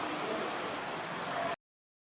ก็อยากได้เลย